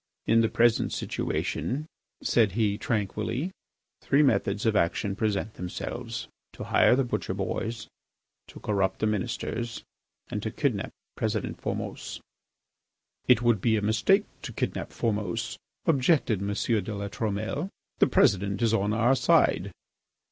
"In the present situation," said he tranquilly, "three methods of action present themselves: to hire the butcher boys, to corrupt the ministers, and to kidnap President Formose." "It would be a mistake to kidnap Formose," objected M. de La Trumelle. "The President is on our side."